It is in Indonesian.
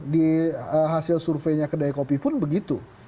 di hasil surveinya kedai kopi pun begitu